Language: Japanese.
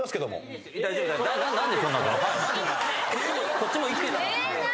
こっちも生きてんだから。